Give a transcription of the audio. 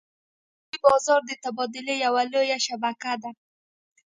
مالي بازار د تبادلې یوه لویه شبکه ده.